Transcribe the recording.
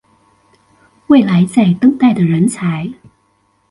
未來在等待的人才